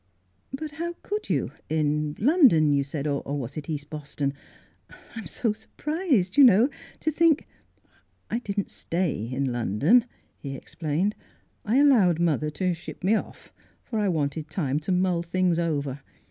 " But how could you — in London, you said; or was it East Boston? I am so surprised, you know, to think —"" I didn't stay in London," he ex plained. " I allowed mother to ship me off, for I wanted time to mull things over.